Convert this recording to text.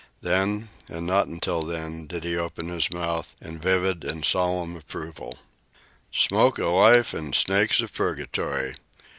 Then, and not until then, did he open his mouth in vivid and solemn approval: "Smoke of life an' snakes of purgatory!